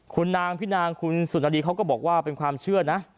คุณนางพี่นางคุณสุนดีเขาก็บอกว่าเป็นความเชื่อนะ